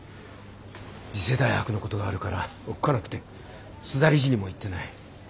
次世代博のことがあるからおっかなくて須田理事にも言ってない。